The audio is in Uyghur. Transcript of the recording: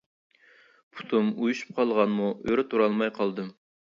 پۇتۇم ئۇيۇشۇپ قالغانمۇ ئۆرە تۇرالماي قالدىم.